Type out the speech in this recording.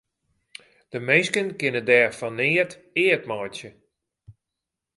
De minsken kinne dêr fan neat eat meitsje.